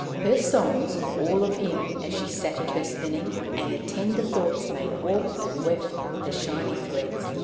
Her songs were all of him as she sat at her spinning, and her tender thoughts made warp and weft with the shining threads.